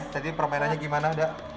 jadi permainannya gimana da